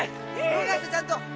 広がしてちゃんと。